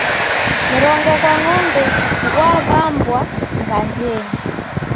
Mrongo ghwa ng'ombe ghwaw'ambwa ngandenyi.